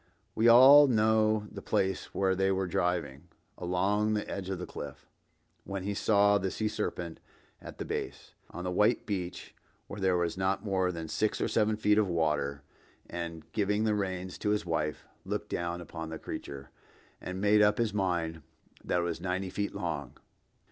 We all know the place where they were driving "along the edge of a cliff—when he saw the sea serpent at the base—on the white beach where there was not more than six or seven feet of water; and giving the reins to his wife, looked down upon the creature, and made up his mind that it was ninety feet long.